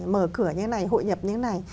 mở cửa như thế này hội nhập như thế này